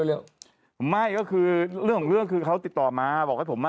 เรื่องของเรื่องคือเขาติดต่อมาบอกให้ผม